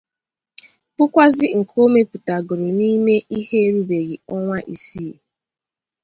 bụkwazị nke o mezupụtagoro n'ime ihe erubeghị ọnwa isii.